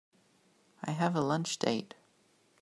I have a lunch date.